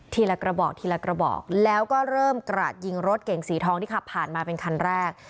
ละกระบอกทีละกระบอกแล้วก็เริ่มกราดยิงรถเก่งสีทองที่ขับผ่านมาเป็นคันแรก